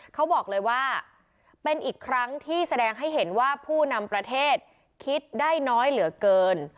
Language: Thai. เขาบอกเลยว่าเป็นอีกครั้งที่แสดงให้เห็นว่าผู้นำประเทศคิดได้น้อยเหลือเกิน